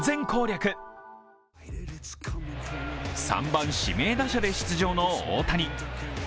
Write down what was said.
３番指名打者で出場の大谷。